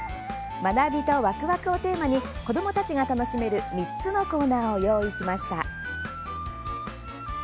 学びとワクワクをテーマに子どもたちが楽しめる３つのコーナーを用意しました。